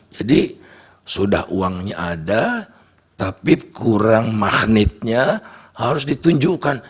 jadi sudah uangnya ada tapi kurang magnetnya harus ditunjukkan